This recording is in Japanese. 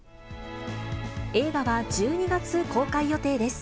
映画は１２月公開予定です。